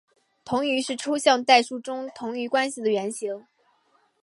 同余是抽象代数中的同余关系的原型。